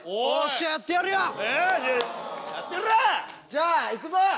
じゃあ行くぞ！